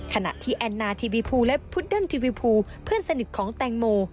ขณะที่แอนนาทีวีภูและพุดเดิ้ลทีวีภูเพื่อนสนิทของแตงโม